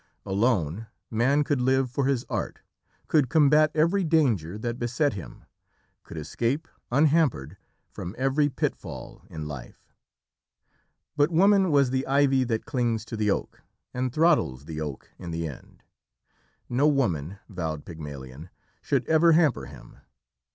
Alone, man could live for his art, could combat every danger that beset him, could escape, unhampered, from every pitfall in life. But woman was the ivy that clings to the oak, and throttles the oak in the end. No woman, vowed Pygmalion, should ever hamper him.